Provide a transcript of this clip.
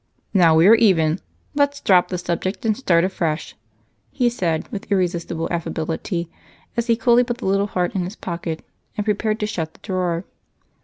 "Now we are even let's drop the subject and start afresh," he said with irresistible affability as he coolly put the little heart in his pocket and prepared to shut the drawer.